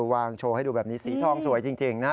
วางโชว์ให้ดูแบบนี้สีทองสวยจริงนะ